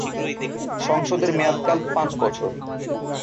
সংসদের মেয়াদকাল পাঁচ বছর।